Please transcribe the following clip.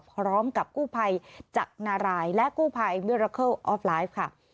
พร้อมกับกู้ภัยจากนารายและกู้ภัยมิราเคิลออฟไลฟ์ค่ะ